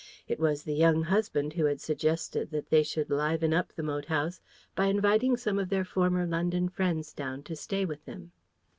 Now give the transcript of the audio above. It was the young husband who had suggested that they should liven up the old moat house by inviting some of their former London friends down to stay with them.